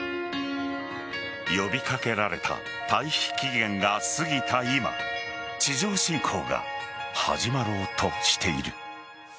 呼び掛けられた退避期限が過ぎた今地上侵攻が始まろうとしている。